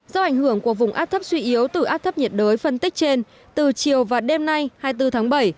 do ảnh hưởng của vùng áp thấp suy yếu từ áp thấp nhiệt đới phân tích trên từ chiều và đêm nay hai mươi bốn tháng bảy